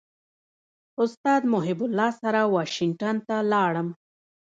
استاد محب الله سره واشنګټن ته ولاړم.